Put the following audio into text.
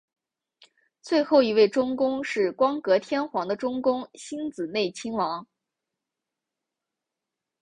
最后一位中宫是光格天皇的中宫欣子内亲王。